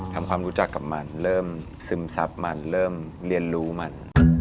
ทำความรู้จักกับมันเริ่มซึมซับมันเริ่มเรียนรู้มัน